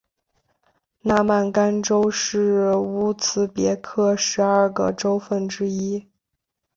纳曼干州是乌兹别克十二个州份之一。